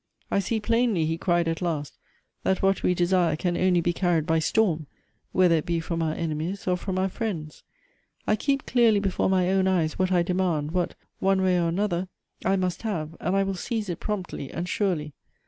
" I see plainly," he cried at last, " that what we desire can only be carried by storm, whether it be from our enemies or from our friends. I keep clearly before my own eyes what I demand, what, one way or another, I must have ; and I will seize it promptly and surely.